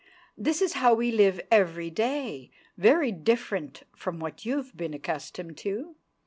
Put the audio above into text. this is how we live every day; very different from what you've been accustomed to!"